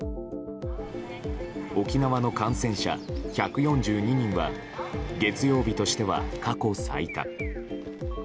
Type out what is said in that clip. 沖縄の感染者、１４２人は月曜日としては過去最多。